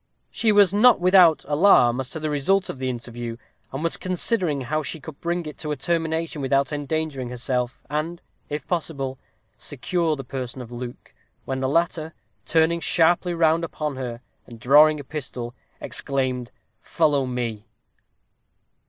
She was not without alarm as to the result of the interview, and was considering how she could bring it to a termination without endangering herself, and, if possible, secure the person of Luke, when the latter, turning sharply round upon her, and drawing a pistol, exclaimed, "Follow me!"